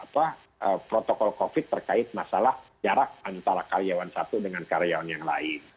apa protokol covid terkait masalah jarak antara karyawan satu dengan karyawan yang lain